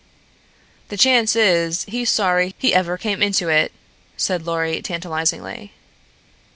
"The chance is he's sorry he ever came into it," said Lorry tantalizingly.